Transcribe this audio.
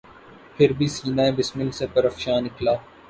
تیر بھی سینہٴ بسمل سے پر افشاں نکلا